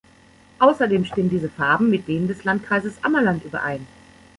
Außerdem stimmen diese Farben mit denen des Landkreises Ammerland überein.